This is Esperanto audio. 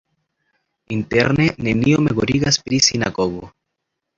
Interne nenio memorigas pri sinagogo.